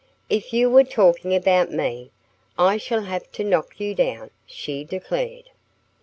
"If you were talking about me I shall have to knock you down," she declared.